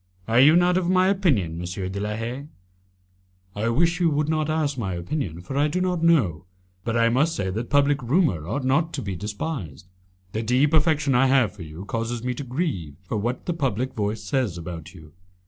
Are you not of my opinion, M. de la Haye?" "I wish you would not ask my opinion, for I do not know. But I must say that public rumour ought not to be despised. The deep affection I have for you causes me to grieve for what the public voice says about you."